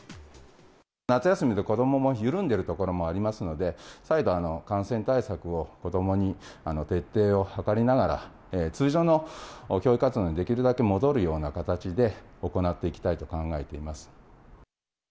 夏休みで子どもも緩んでいるところもありますので、再度、感染対策を子どもに徹底を図りながら、通常の教育活動にできるだけ戻るような形で、行っていきたいと考えています。